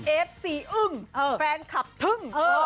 เอฟซีอึ้งแฟนคลับทึ่ง